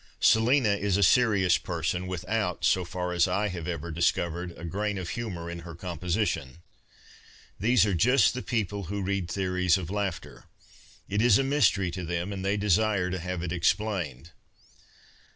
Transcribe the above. Selina is a serious person without, so far as I have ever dis covered, a grain of Immour in her composition. These are just tljc people who read theories of laughter. It is a mystery to them, and they desire to have it explained.